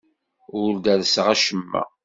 Ur derrseɣ acemma.